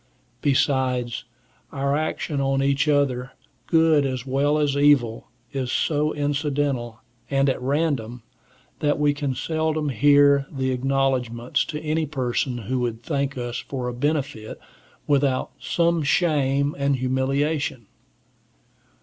Besides, our action on each other, good as well as evil, is so incidental and at random, that we can seldom hear the acknowledgments of any person who would thank us for a benefit, without some shame and humiliation.